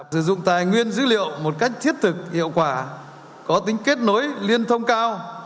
sử dụng tài nguyên dữ liệu một cách thiết thực hiệu quả có tính kết nối liên thông cao